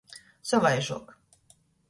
Sovaižuok.